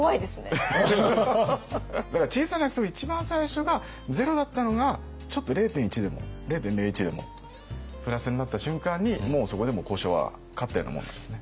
だから小さな約束の一番最初がゼロだったのがちょっと０．１でも０．０１でもプラスになった瞬間にもうそこで交渉は勝ったようなもんなんですね。